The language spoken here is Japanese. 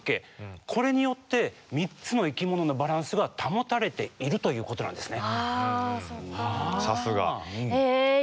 これによって３つの生きもののバランスが保たれているということなんですね。